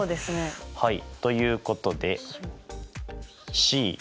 ということで。